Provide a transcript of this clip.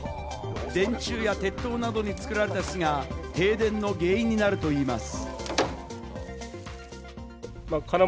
電柱や鉄塔などに作られた巣が停電の原因になるといいます。